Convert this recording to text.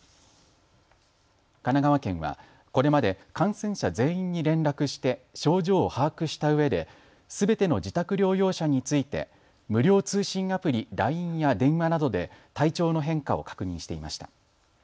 神奈川県はこれまで感染者全員に連絡して症状を把握したうえですべての自宅療養者について無料通信アプリ、ＬＩＮＥや電話などで体調の変化を確認していました。